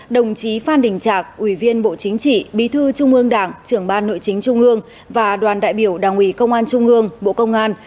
đồng chí phan đình trạc ủy viên bộ chính trị bí thư trung ương đảng trưởng ban nội chính trung ương và đoàn đại biểu đảng ủy công an trung ương bộ công an